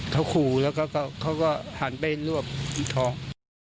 เขาขู่แล้วก็เขาก็หันไปรวบท้อง